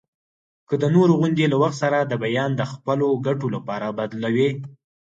که د نورو غوندي له وخت سره د بیان د خپلو ګټو لپاره بدلوي.